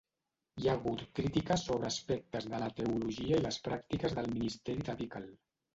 Hi ha hagut crítiques sobre aspectes de la teologia i les pràctiques del ministeri de Bickle.